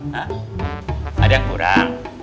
hah ada yang kurang